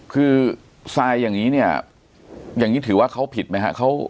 คือทรายอย่างนี้เนี่ยอย่างนี้ถือว่าเขาผิดไหมครับ